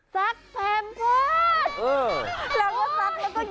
ซักแพมเปิด